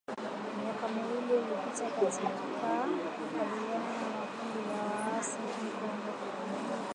Miaka miwili ilipita katika kukabiliana na makundi ya waasi nchini Kongo